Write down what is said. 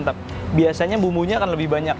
tapi biasanya bumbunya akan lebih banyak